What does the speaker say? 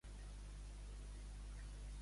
Semblar un ababol.